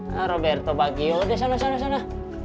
nah roberto baggio deh sana sana